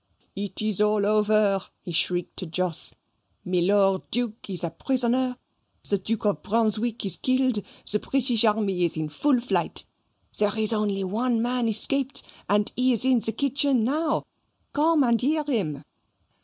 "It is all over," he shrieked to Jos. "Milor Duke is a prisoner; the Duke of Brunswick is killed; the British army is in full flight; there is only one man escaped, and he is in the kitchen now come and hear him."